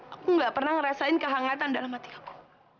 aku gak pernah ngerasain kehangatan dalam hati aku